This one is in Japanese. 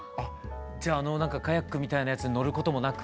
じゃああのカヤックみたいなやつに乗ることもなく。